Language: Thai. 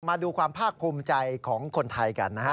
มาดูความภาคภูมิใจของคนไทยกันนะฮะ